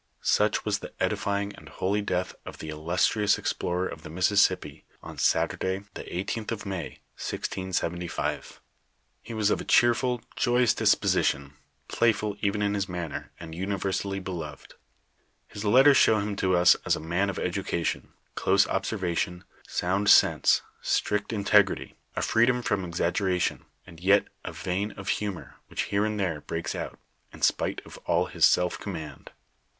Such was the edifying and holy death of the illustrious ex plorer of the Mississippi, on Saturday, the 18th of May, 1675. He was of a cheerful, joyous disposition, playful even in hi8 manner, and universally beloved. His letters show him to us a man of education, close observation, sound sense, strict integrity, a freedom from exaggeration, and yet a vein of humor which here and there breaks out, in spite of all his self command.